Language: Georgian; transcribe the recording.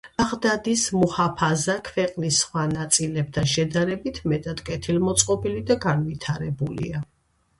ბაღდადის მუჰაფაზა ქვეყნის სხვა ნაწილებთან შედარებით, მეტად კეთილმოწყობილი და განვითარებულია.